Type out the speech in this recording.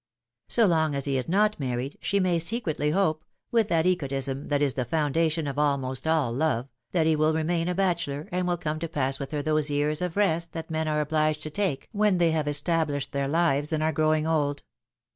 So long as he is not married, she may secretly hope, with that egotism that is the founda tion of almost all love, that he will remain a bachelor, and will come to pass with her those years of rest that men are obliged to take when they have established their lives and are growing old.